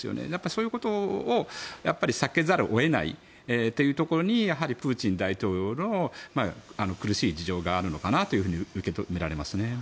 そういうことをやっぱり避けざるを得ないというところにプーチン大統領の苦しい事情があるのかなと受け止められます。